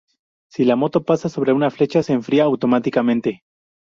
Si la moto pasa sobre una flecha, se enfría automáticamente.